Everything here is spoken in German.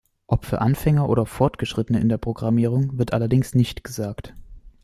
Ob für Anfänger oder Fortgeschrittene in der Programmierung wird allerdings nicht gesagt.